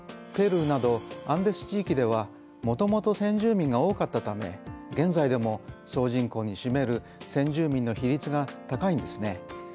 ペルーなどアンデス地域ではもともと先住民が多かったため現在でも総人口に占める先住民の比率が高いんですね。